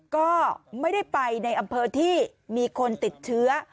ก็ไม่ได้ไปในอำเภอที่มีคนติดเชื้อ